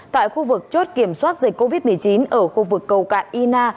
tại khu vực chốt kiểm soát dịch covid một mươi chín ở khu vực cầu cạn y na